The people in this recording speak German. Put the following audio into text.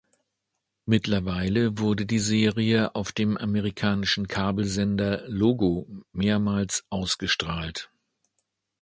Mittlerweile wurde die Serie auf dem amerikanischen Kabelsender Logo mehrmals ausgestrahlt.